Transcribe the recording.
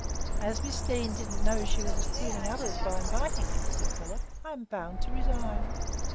"As Miss Deane didn't know she was excluding others by inviting me," said Philip, "I am bound to resign."